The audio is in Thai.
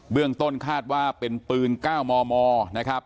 เรื่องต้นคาดว่าเป็นปืน๙มมนะครับ